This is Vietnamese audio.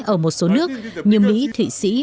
ở một số nước như mỹ thụy sĩ